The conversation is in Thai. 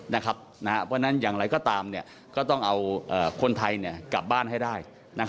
เพราะฉะนั้นอย่างไรก็ตามก็ต้องเอาคนไทยกลับบ้านให้ได้